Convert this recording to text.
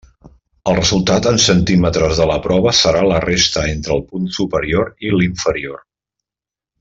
El resultat en centímetres de la prova serà la resta entre el punt superior i l'inferior.